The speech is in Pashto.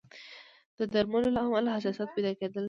د درملو له امله حساسیت پیدا کېدای شي.